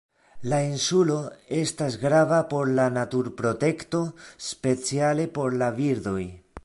La insulo estas grava por la naturprotekto, speciale por la birdoj.